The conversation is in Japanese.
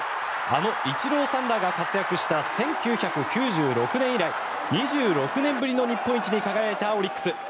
あのイチローさんらが活躍した１９９６年以来２６年ぶりの日本一に輝いたオリックス。